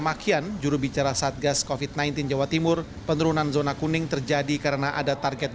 makian jurubicara satgas kofit sembilan belas jawa timur penurunan zona kuning terjadi karena ada target